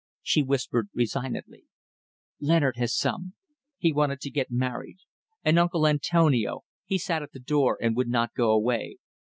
She whispered resignedly "Leonard had some. He wanted to get married. And uncle Antonio; he sat at the door and would not go away.